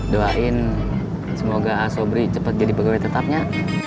doain semoga asobri cepat jadi pegawai tetapnya